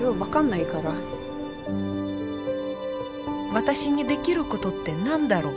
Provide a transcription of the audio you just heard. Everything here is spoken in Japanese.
私にできることって何だろう？